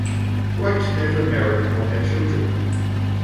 Wright never married nor had children.